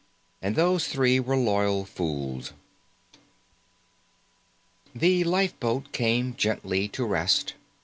And those three were loyal fools. The lifeboat came gently to rest.